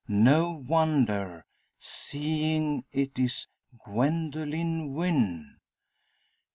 No wonder seeing it is Gwendoline Wynn!